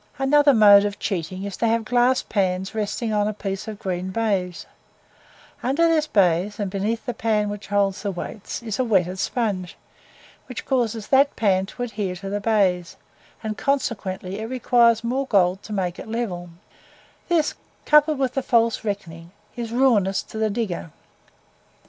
Another mode of cheating is to have glass pans resting on a piece of green baize; under this baize, and beneath the pan which holds the weights, is a wetted sponge, which causes that pan to adhere to the baize, and consequently it requires more gold to make it level; this, coupled with the false reckoning, is ruinous to the digger.